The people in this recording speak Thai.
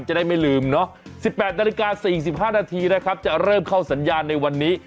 จะได้ไม่ลืมเนาะ๑๘นาฬิกา๔๕นาทีนะครับจะเริ่มเข้าสัญญาณในวันนี้